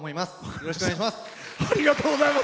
よろしくお願いします。